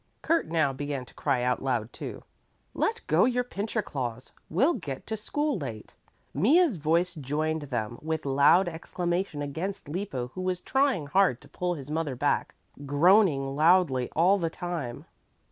Kurt now began to cry out, too: "Let go your pincher claws we'll get to school late." Mea's voice joined them with loud exclamation against Lippo, who was trying hard to pull his mother back, groaning loudly all the time.